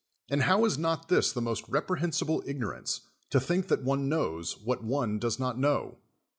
And how is not this the most reprehensible ignorance, to think that one knows what one does not know?